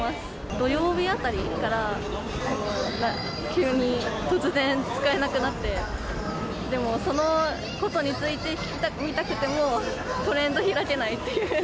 土曜日あたりから、急に、突然使えなくなって、でも、そのことについて見たくても、トレンド開けないっていう。